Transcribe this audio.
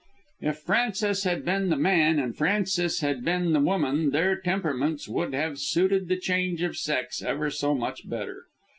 If Frances had been the man and Francis had been the woman their temperaments would have suited the change of sex ever so much better.